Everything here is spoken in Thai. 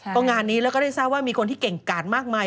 ก็งานนี้แล้วก็ได้ทราบว่ามีคนที่เก่งกาดมากมาย